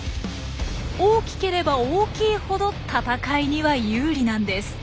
大きければ大きいほど戦いには有利なんです。